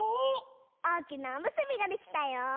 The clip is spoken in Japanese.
おおきなおむすびができたよ！